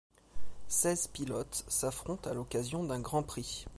Seize pilotes s'affrontent à l'occasion d'un Grand Prix.